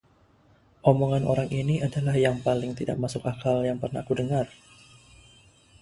Omongan orang ini adalah yang paling tidak masuk akal yang pernah aku dengar!